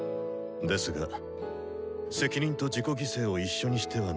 ですが責任と自己犠牲を一緒にしてはならない。